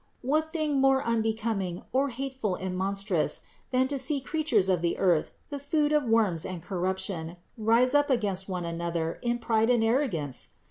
What thing more unbecom ing, or hateful and monstrous, than to see creatures of the earth, the food of worms and corruption, rise up against one another in pride and arrogance?